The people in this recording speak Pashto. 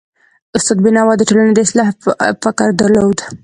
استاد بینوا د ټولني د اصلاح فکر درلود.